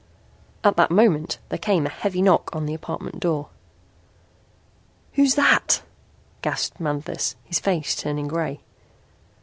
At that moment there came a heavy knock on the apartment door. "Who's that?" gasped Manthis, his face turning grey.